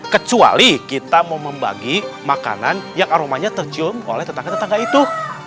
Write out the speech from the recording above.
kecuali kita mau membagi makanan yang aromanya tercium oleh tetangga tetangga itu